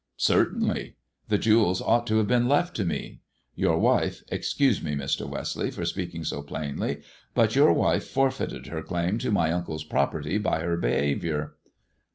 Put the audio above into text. " Certainly ! The jewels ought to have been left to me. Your wife — excuse me, Mr. Westleigh, for speaking so plainly — but your wife forfeited her claim to my uncle's property by her behaviour."